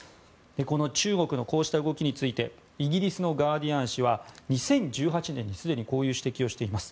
この中国のこうした動きについてイギリスのガーディアン紙は２０１８年にすでにこういう指摘をしています。